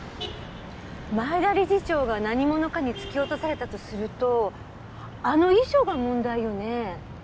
前田理事長が何者かに突き落とされたとするとあの遺書が問題よね。